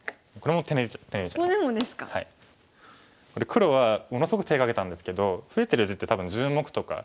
黒はものすごく手かけたんですけど増えてる地って多分１０目とか。